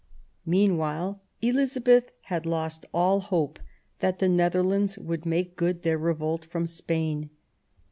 Meanwhile Elizabeth had lost all hope that the Netherlands would make good their revolt from Spain.